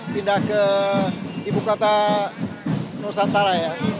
pindah ke ibu kota nusantara ya